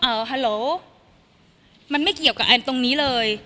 ฮัลโหลมันไม่เกี่ยวกับแอนตรงนี้เลย